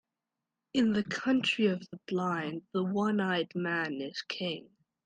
In the country of the blind, the one-eyed man is king.